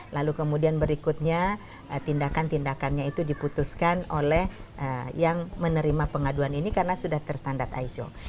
lalu kemudian berikutnya tindakan tindakannya itu diputuskan oleh yang menerima pengaduan ini karena sudah terstandar iso